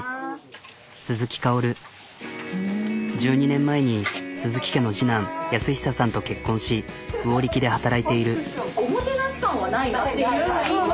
１２年前に鈴木家の次男安久さんと結婚し魚力で働いている。